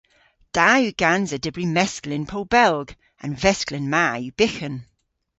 Da yw gansa dybri meskel yn Pow Belg. An vesklen ma yw byghan.